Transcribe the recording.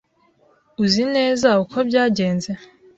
Uzi neza uko byagenze.